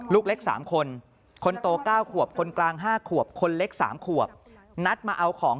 ลูกเล็ก๓คนคนโต๙ขวบคนกลาง๕ขวบคนเล็ก๓ขวบนัดมาเอาของ